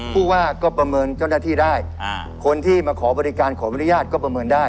ผู้ว่าก็ประเมินเจ้าหน้าที่ได้คนที่มาขอบริการขออนุญาตก็ประเมินได้